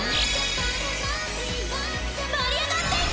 盛り上がっていこ！！